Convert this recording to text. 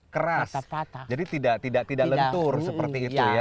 keras jadi tidak lentur seperti itu ya